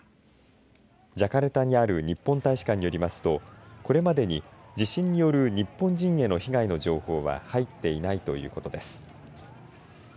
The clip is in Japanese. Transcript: ジャカルタにある日本大使館によりますと、これまでに地震による日本人への被害の情報は入っていないということです。